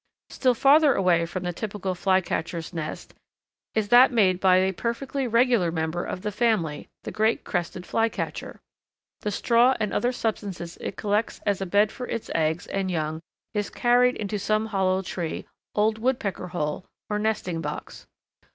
Still farther away from the typical Flycatcher's nest is that made by a perfectly regular member of the family, the Great crested Flycatcher. The straw and other substances it collects as a bed for its eggs and young is carried into some hollow tree, old Woodpecker hole, or nesting box.